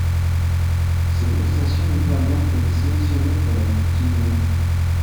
Ses prestations lui permettent d'être sélectionné pour la Coupe du monde.